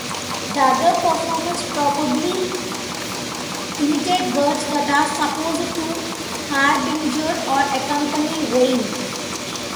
The other performers probably imitate birds that are supposed to harbinger or accompany rain.